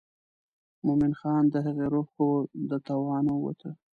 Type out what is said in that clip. مومن خان د هغې روح و د توانه ووته.